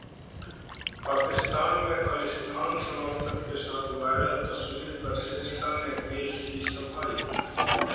पाकिस्तान में खलिस्तान समर्थक के साथ वायरल तस्वीर पर सिरसा ने पेश की सफाई